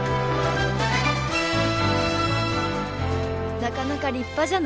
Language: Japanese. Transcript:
なかなか立派じゃない？